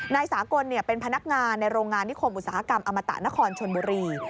นายสากลเป็นพนักงานในโรงงานนิคมอุตสาหกรรมอมตะนครชนบุรี